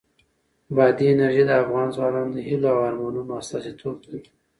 بادي انرژي د افغان ځوانانو د هیلو او ارمانونو استازیتوب کوي.